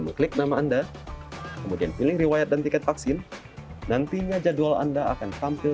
mengklik nama anda kemudian pilih riwayat dan tiket vaksin nantinya jadwal anda akan tampil